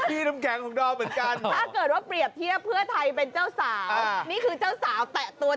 ครับขอถึงเนื้อตัว